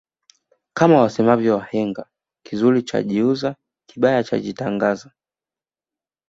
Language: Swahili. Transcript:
Kama wasemavyo wahenga kizuri chajiuza kibaya chajitangaza